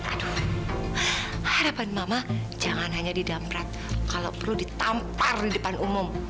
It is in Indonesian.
aduh harapan mama jangan hanya didamrat kalau perlu ditampar di depan umum